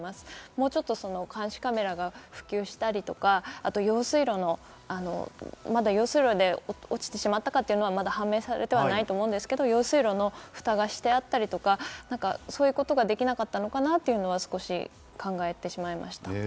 もうちょっと監視カメラが普及したりとか、まだ用水路で落ちてしまったかというのは判明されてはいないと思いますが用水路の蓋がしてあったりとか、そういうことができなかったのかなと少し考えてしまいました。